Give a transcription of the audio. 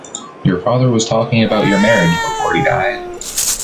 Your father was talking about your marriage before he died.